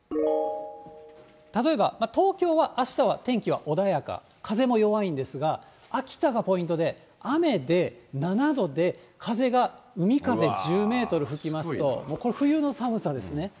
例えば、東京はあしたは天気は穏やか、風も弱いんですが、秋田がポイントで、雨で７度で、風が海風１０メートル吹きますと、もうこれ、冬の寒さですね。